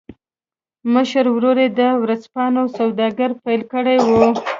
مشر ورور يې د ورځپاڼو سوداګري پیل کړې وه